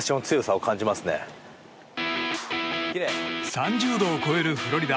３０度を超えるフロリダ。